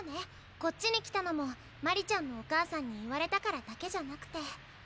こっちに来たのも鞠莉ちゃんのお母さんに言われたからだけじゃなくて。